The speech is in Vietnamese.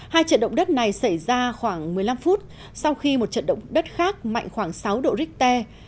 hai trận động đất này xảy ra khoảng một mươi năm phút sau khi một trận động đất khác mạnh khoảng sáu độ richter